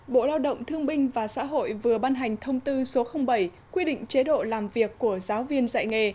bộ lao động thương binh và xã hội vừa ban hành thông tư số bảy quy định chế độ làm việc của giáo viên dạy nghề